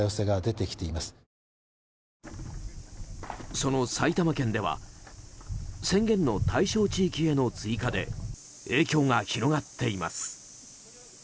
その埼玉県では宣言の対象地域への追加で影響が広がっています。